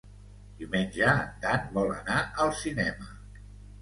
Diumenge en Dan vol anar al cinema.